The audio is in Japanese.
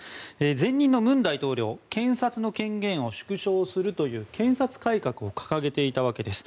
前任の文大統領検察の権限を縮小するという検察改革を掲げていたわけです。